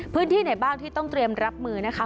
พื้นที่ไหนบ้างที่ต้องเตรียมรับมือนะคะ